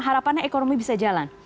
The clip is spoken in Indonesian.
harapannya ekonomi bisa jalan